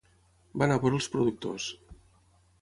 Va anar a veure els productors.